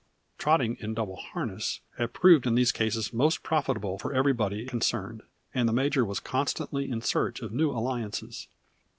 Trotting in double harness had proved in these cases most profitable for everybody concerned, and the major was constantly in search of new alliances.